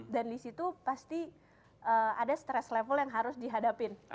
dan disitu pasti ada stress level yang harus dihadapin